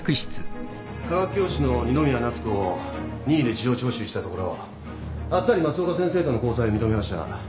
化学教師の二宮奈津子を任意で事情聴取したところあっさり増岡先生との交際を認めました。